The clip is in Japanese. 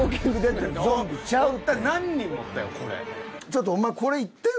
ちょっとお前これいって。